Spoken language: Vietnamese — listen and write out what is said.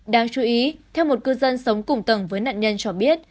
đáng chú ý theo một cư dân sống cùng tầng với nạn nhân cho biết